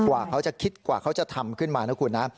กว่าเขาจะคิดกว่าเขาจะทำขึ้นมานะคุณนะ